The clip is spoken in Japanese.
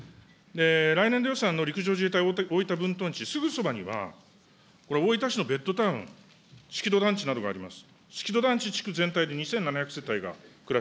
来年度予算の陸上自衛隊大分分屯地、すぐそばにはこれ、大分市のベッドタウン、しきど団地などがあります。